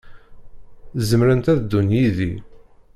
Zemrent ad ddun yid-i.